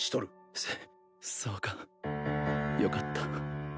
そそうかよかった。